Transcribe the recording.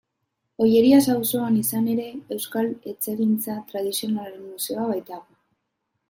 Ollerias auzoan, izan ere, Euskal Eltzegintza Tradizionalaren Museoa baitago.